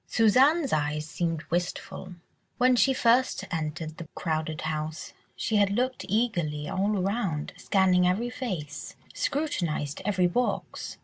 Suzanne's eyes seemed wistful; when she first entered the crowded house, she had looked eagerly all around, scanned every face, scrutinised every box.